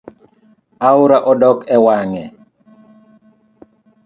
Aora odok ewange